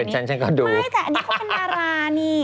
ฉันก็ดูไม่แต่อันนี้เขาเป็นดารานี่